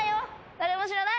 誰も知らない！